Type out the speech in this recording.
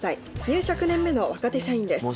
入社９年目の若手社員です。